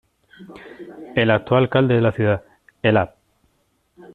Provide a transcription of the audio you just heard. El actual alcalde de la ciudad, el Ab.